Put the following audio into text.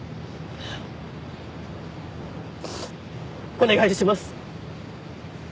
お願いします！